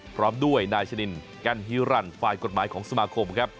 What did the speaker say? พร้อมด้วยนายชนินกันฮิรันฝ่ายกฎหมายของสมาคมครับ